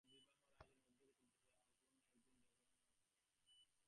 বিবাহের আয়োজন উদ্যোগ চলিতেছে এমন সময় একদিন যজ্ঞেশ্বরের খোড়ো ঘরে বিভূতিভূষণ স্বয়ং আসিয়া উপস্থিত।